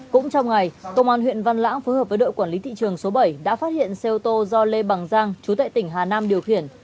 cũng trong ngày công an huyện văn lãng phối hợp với đội quản lý thị trường số bảy đã phát hiện xe ô tô do lê bằng giang chú tại tỉnh hà nam điều khiển